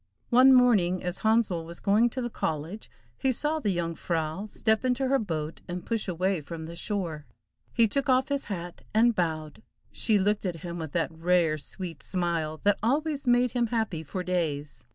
One morning as Handsel was going to the college, he saw the Jung frau step into her boat and push away from the shore. He took off his hat and bowed. She looked at him with that rare, sweet smile that always made him happy for days.